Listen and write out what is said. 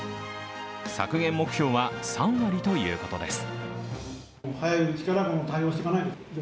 削減目標は３割ということです。